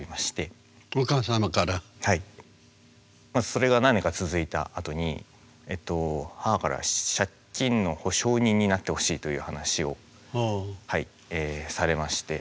それが何年か続いたあとに母から借金の保証人になってほしいという話をされまして。